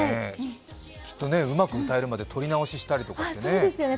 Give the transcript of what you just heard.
きっとうまく歌えるまで撮り直ししたりね。